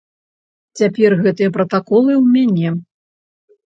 Цяпер гэтыя пратаколы ў мяне.